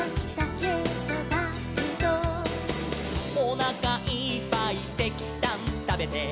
「」「おなかいっぱいせきたんたべて」